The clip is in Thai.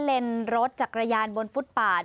เลนรถจักรยานบนฟุตปาด